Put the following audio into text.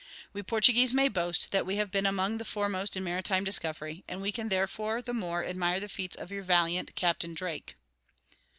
We Portuguese may boast that we have been among the foremost in maritime discovery, and we can therefore the more admire the feats of your valiant Captain Drake."